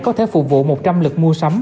có thể phục vụ một trăm linh lực mua sắm